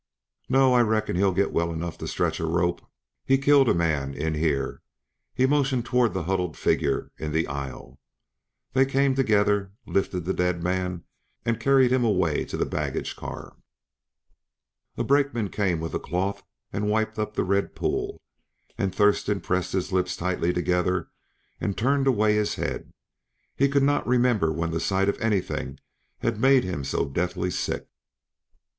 "No. I reckon he'll get well enough to stretch a rope; he killed a man, in here." He motioned toward the huddled figure in the aisle. They came together, lifted the dead man and carried him away to the baggage car. A brakeman came with a cloth and wiped up the red pool, and Thurston pressed his lips tightly together and turned away his head; he could not remember when the sight of anything had made him so deathly sick.